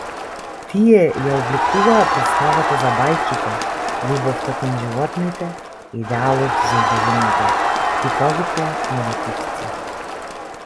Тие ја обликуваа претставата за бајките, љубовта кон животните, идеалот за убавината, типовите негативци.